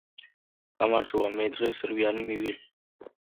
გამარჯობა მე დღეს რვიანი მივიღე